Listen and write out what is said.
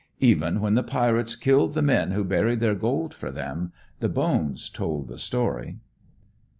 Even when the pirates killed the men who buried their gold for them, the bones told the story."